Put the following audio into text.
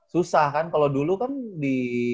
susah kan kalau dulu kan di